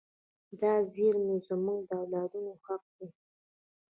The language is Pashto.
دا زیرمې زموږ د اولادونو حق دی.